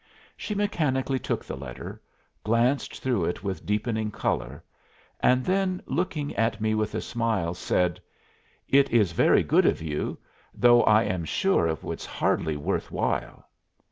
She mechanically took the letter, glanced through it with deepening color, and then, looking at me with a smile, said: "It is very good of you, though I am sure it was hardly worth while."